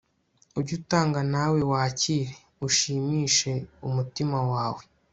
ujye utanga nawe wakire, ushimishe umutima wawe